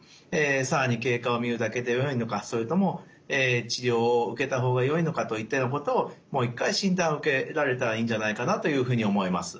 更に経過を見るだけでよいのかそれとも治療を受けた方がよいのかといったようなことをもう一回診断を受けられたらいいんじゃないかなというふうに思います。